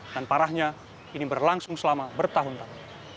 dan parahnya ini berlangsung selama bertahun tahun